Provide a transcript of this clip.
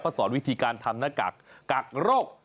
สอนวิธีการทำหน้ากากกักโรค